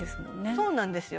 そうなんですよ